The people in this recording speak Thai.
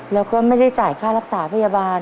แล้วก็ไม่ได้จ่ายค่ารักษาพยาบาล